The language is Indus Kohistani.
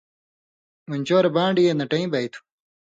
من چور بانڈی اے نٹَیں بئ تُھو